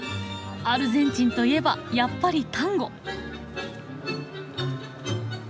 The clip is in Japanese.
アルゼンチンといえばやっぱりタンゴ。